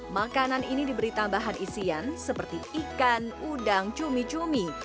makanan ini diberi tambahan isian seperti ikan udang cumi cumi